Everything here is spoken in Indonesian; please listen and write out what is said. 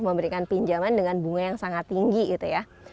memberikan pinjaman dengan bunga yang sangat tinggi gitu ya